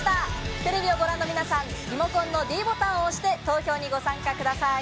テレビをご覧の皆さん、リモコンのｄボタンを押して、投票にご参加ください。